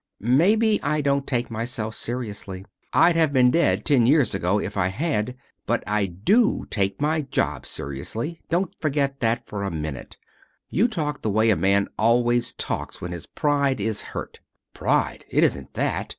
"Maybe I don't take myself seriously. I'd have been dead ten years ago if I had. But I do take my job seriously. Don't forget that for a minute. You talk the way a man always talks when his pride is hurt." "Pride! It isn't that."